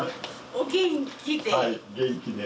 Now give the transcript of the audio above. お元気で？